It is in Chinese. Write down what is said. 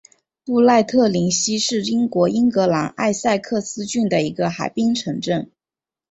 布赖特灵西是英国英格兰埃塞克斯郡的一个海滨城镇。